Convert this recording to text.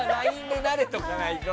ＬＩＮＥに慣れとかないと。